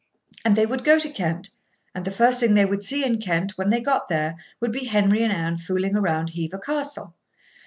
And they would go to Kent, and the first thing they would see in Kent, when they got there, would be Henry and Anne fooling round Hever Castle.